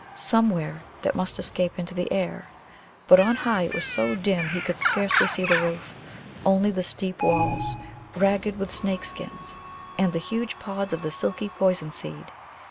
Somewhere that must escape into the air. But on high it was so dim he could scarcely see the roof, only the steep walls, ragged with snake skins, and the huge pods of the silky poison seed.